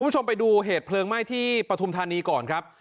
คุณผู้ชมไปดูเหตุเพลิงไหม้ที่ปฐุมธานีก่อนครับ